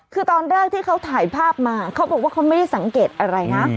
คือตอนแรกที่เขาถ่ายภาพมาเขาบอกว่าเขาไม่ได้สังเกตอะไรนะ